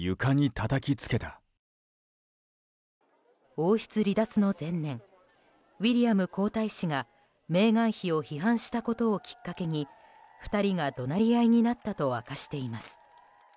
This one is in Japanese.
王室離脱の前年ウィリアム皇太子がメーガン妃を批判したことをきっかけに２人が怒鳴り合いになったと明かしています。